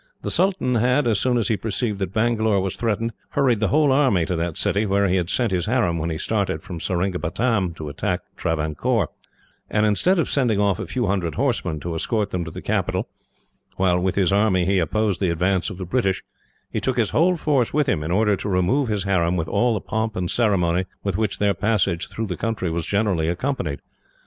The sultan had, as soon as he perceived that Bangalore was threatened, hurried the whole army to that city, where he had sent his harem when he started from Seringapatam to attack Travancore; and instead of sending off a few hundred horsemen, to escort them to the capital, while with his army he opposed the advance of the British, he took his whole force with him, in order to remove his harem with all the pomp and ceremony with which their passage through the country was generally accompanied.